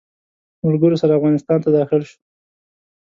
ملګرو سره افغانستان ته داخل شو.